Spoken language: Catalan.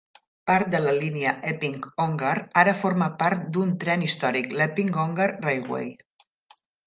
Part de la línia Epping-Ongar ara forma part d'un tren històric, l'Epping Ongar Railway.